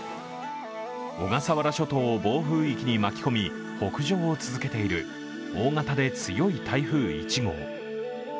小笠原諸島を暴風域に巻き込み北上を続けている大型で強い台風１号。